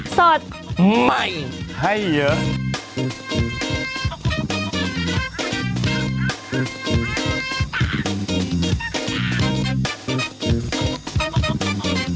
สวัสดีค่ะ